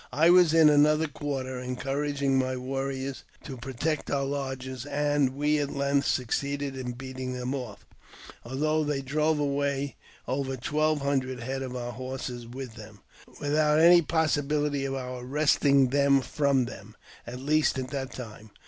I was in another quarter, encouraging my warriors to pro tect our lodges, and we at length succeeded in beating them. off, although they drove away over twelve hundred head of our] horses with them, without any possibility of our wresting them from them, at least at that time.